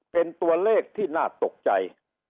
เป็นตัวเลขที่น่าตกใจ